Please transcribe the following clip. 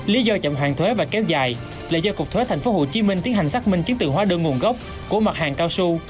lý do chậm hoàn thuế và kéo dài là do cục thuế thành phố hồ chí minh tiến hành xác minh chiến tự hóa đơn nguồn gốc của mặt hàng cao su